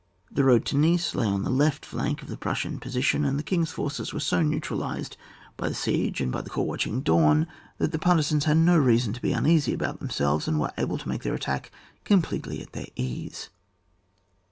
The road to Neiss lay on the left flank of the Prus sian position, and the king's forces were so neutralised by the siege and by the corps 1 28 ON WAR. [book vu. watching Daim, that the partizans had no reason to be uneasy about themselves, and were able to make their attack com pletely at their ease.